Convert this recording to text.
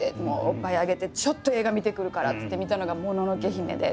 おっぱいあげて「ちょっと映画見てくるから」っつって見たのが「もののけ姫」で。